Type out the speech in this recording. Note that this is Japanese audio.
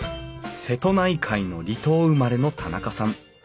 瀬戸内海の離島生まれの田中さん。